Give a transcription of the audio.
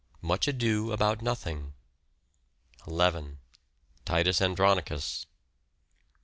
Much Ado About Nothing. 11. Titus Andronicus.